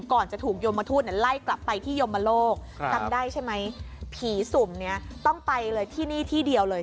ก่อนจะถูกโยมทูตไล่กลับไปที่ยมโลกจำได้ใช่ไหมผีสุ่มเนี่ยต้องไปเลยที่นี่ที่เดียวเลย